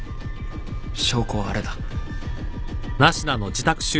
証拠はあれだ。